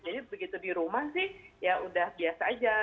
jadi begitu di rumah sih ya sudah biasa saja